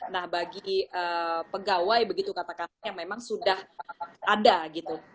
nah bagi pegawai begitu katakan memang sudah ada gitu